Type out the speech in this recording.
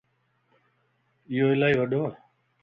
ايو الائي وڊو ا